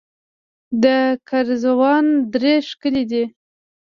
د ګرزوان درې ښکلې دي